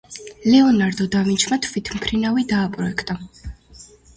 ლეონარდო და ვინჩმა თვითმფრინავი დააპროექტა.